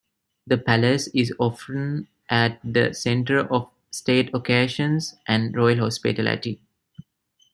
The palace is often at the centre of state occasions and royal hospitality.